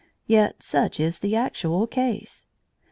Yet such is the actual case.